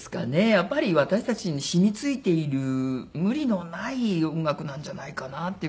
やっぱり私たちに染み付いている無理のない音楽なんじゃないかなっていう感じ。